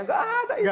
nggak ada itu